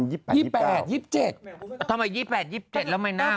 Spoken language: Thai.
ทำไม๒๘๒๗แล้วไม่น่ามันขนาดนี้